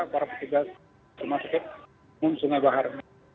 para petugas rumah psikik di sungai bahar